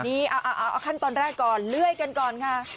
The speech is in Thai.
เอาขั้นตอนแรกก่อนเลื่อยกันก่อนค่ะ